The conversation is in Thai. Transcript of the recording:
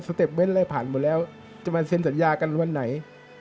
เต็ปเว้นอะไรผ่านหมดแล้วจะมาเซ็นสัญญากันวันไหน